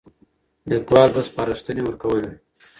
ليکوال به سپارښتنې ورکولې.